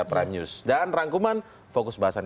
prime news dan rangkuman fokus bahasan